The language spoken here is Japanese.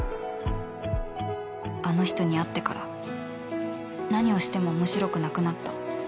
あの人に会ってから何をしても面白くなくなった